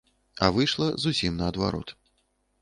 А выйшла зусім наадварот.